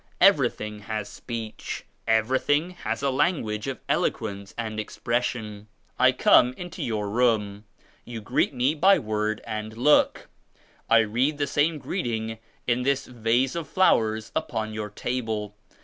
Everything has speech; everything has a language of elo quence and expression. I come into your room. You greet me by word and look. I read the 104 same greeting in this vase of flowers upon your table.